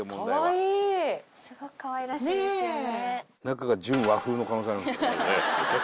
すごくかわいらしいですよね。